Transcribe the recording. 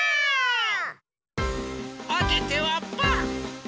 おててはパー！